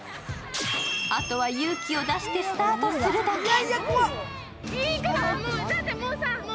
あとは勇気を出してスタートするだけ。